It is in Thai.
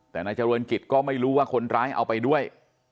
แต่นายเจริญกิจก็ไม่รู้ว่าคนร้ายเอาไปด้วย